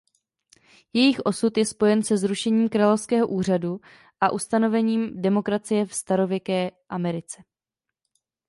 Jejich osud je spojen se zrušením královského úřadu a ustanovením demokracie ve starověké Americe.